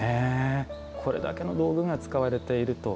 これだけの道具が使われていると。